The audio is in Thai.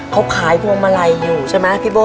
เขาขายพวงมาลัยอยู่ใช่ไหมพี่โบ้